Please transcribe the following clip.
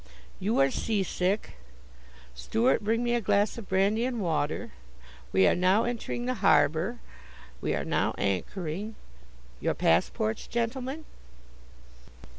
'You are seasick.' 'Steward, bring me a glass of brandy and water.' 'We are now entering the harbor.' 'We are now anchoring.' 'Your passports, gentlemen.'"